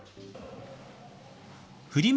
フリマ